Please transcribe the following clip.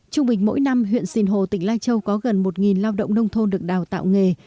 trung bình mỗi năm huyện sìn hồ tỉnh lai châu có gần một lao động nông thôn được đào tạo nghề